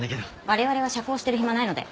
我々は社交してる暇ないので。